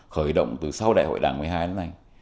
khởi động từ sau đại hội đảng một mươi hai này